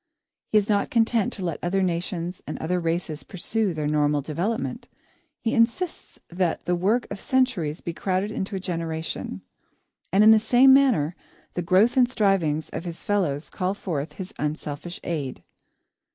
He is not content to let other nations and others races pursue their normal development. He insists that the work of centuries be crowded into a generation. And in the same manner, the growth and strivings of his fellows call forth his unselfish aid.